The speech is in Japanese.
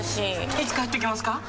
いつ帰ってきますか？